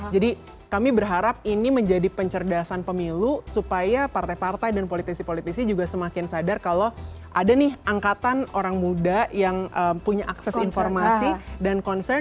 jadi kami berharap ini menjadi pencerdasan pemilu supaya partai partai dan politisi politisi juga semakin sadar kalau ada nih angkatan orang muda yang punya akses informasi dan concern